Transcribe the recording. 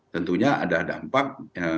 tentunya ada dampak